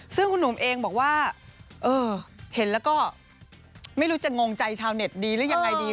ซึ่งคุณหนุ่มเองบอกว่าเออเห็นแล้วก็ไม่รู้จะงงใจชาวเน็ตดีหรือยังไงดี